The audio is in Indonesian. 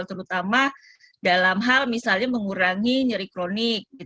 terutama dalam hal misalnya mengurangi nyeri kronik